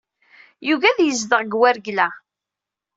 Yugi ad yezdeɣ deg Waregla.